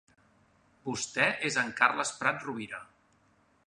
Vostè és en Carles Prat Rovira.